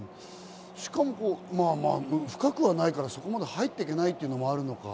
深くはないからそこまで入っていけないっていうのもあるのか。